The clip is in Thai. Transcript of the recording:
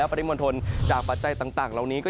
และปริมวณศนจากพัจจัยต่าง